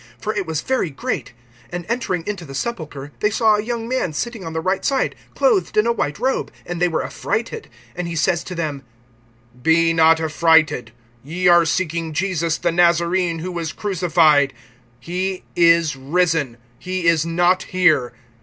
For it was very great. (5)And entering into the sepulchre, they saw a young man sitting on the right side, clothed in a white robe; and they were affrighted. (6)And he says to them: Be not affrighted. Ye are seeking Jesus the Nazarene, who was crucified. He is risen; he is not here.